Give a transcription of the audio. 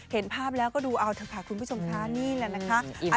เห็นภาพแล้วก็ดูเอาเถอะค่ะคุณผู้ชมค่ะนี่แหละนะคะ